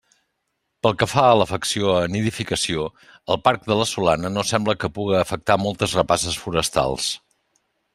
Pel que fa a l'afecció a nidificació, el parc de La Solana no sembla que puga afectar moltes rapaces forestals.